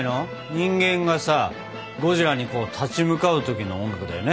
人間がさゴジラに立ち向かう時の音楽だよね。